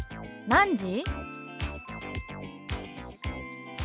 「何時？」。